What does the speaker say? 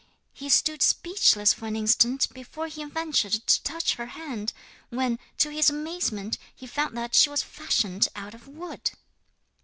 He stood speechless for an instant before he ventured to touch her hand, when, to his amazement, he found that she was fashioned out of wood.